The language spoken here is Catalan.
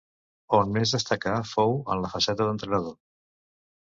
On més destacà fou en la faceta d'entrenador.